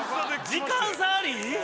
時間差あり？